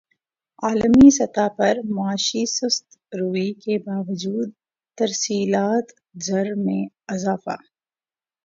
عالمی سطح پر معاشی سست روی کے باوجود ترسیلات زر میں اضافہ